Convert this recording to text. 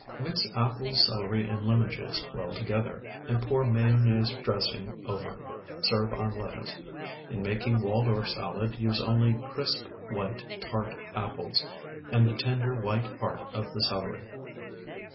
Mix apples, celery, and lemon juice well together, and pour mayonnaise dressing over. Serve on lettuce. In making Waldorf salad use only crisp, white, tart apples, and the tender, white heart of the celery.